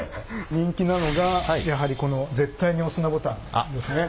人気なのがやはりこの「絶対に押すなボタン」ですね。